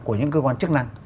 của những cơ quan chức năng